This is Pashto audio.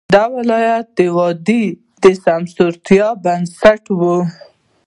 دا ولایت د دوی د سمسورتیا بنسټ وو.